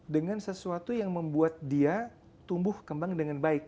dengan sesuatu yang membuat dia tumbuh kembang dengan baik